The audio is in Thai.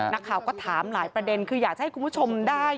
นักข่าวก็ถามหลายประเด็นคืออยากจะให้คุณผู้ชมได้